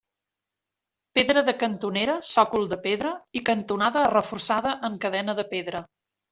Pedra de cantonera, sòcol de pedra i cantonada reforçada en cadena de pedra.